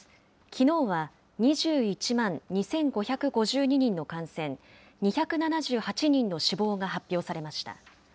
きのうは２１万２５５２人の感染、２７８人の死亡が発表されました。